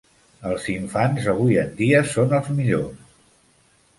Els infants avui en dia són els millors.